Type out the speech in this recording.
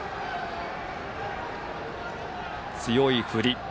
強い振り。